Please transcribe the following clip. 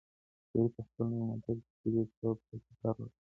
شریف په خپل نوي موټر کې کلي ته په چکر لاړ.